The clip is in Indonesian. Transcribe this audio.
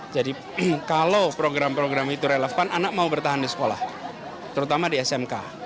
jadi kalau program program itu relevan anak mau bertahan di sekolah terutama di smk